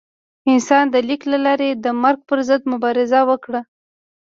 انسان د لیک له لارې د مرګ پر ضد مبارزه وکړه.